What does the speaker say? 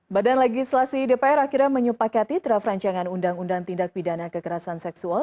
badan legislasi dpr akhirnya menyepakati draft rancangan undang undang tindak pidana kekerasan seksual